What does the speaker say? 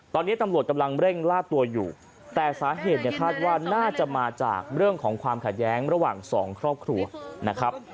ตอนนี้ตำรวจกำลังเร่งล่าตัวอยู่แต่สาเหตุเนี่ยคาดว่าน่าจะมาจากเรื่องของความขัดแย้งระหว่างสองครอบครัวนะครับ